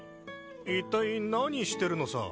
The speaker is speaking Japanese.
一体何してるのさ